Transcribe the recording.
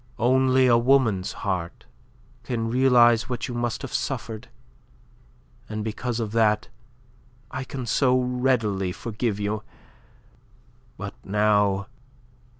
"Only a woman's heart can realize what you must have suffered; and because of that I can so readily forgive you. But now..."